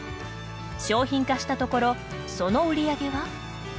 商品化したところその売り上げは。